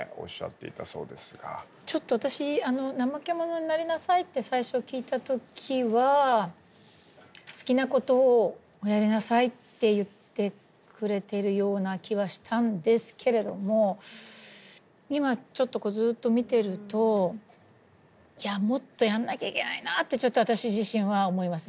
ちょっと私「なまけ者になりなさい」って最初聞いた時は「好きなことをやりなさい」って言ってくれてるような気はしたんですけれども今ちょっとこうずっと見てるといやもっとやんなきゃいけないなって私自身は思います。